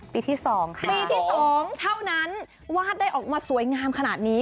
ปีที่๒ค่ะปีที่๒เท่านั้นวาดได้ออกมาสวยงามขนาดนี้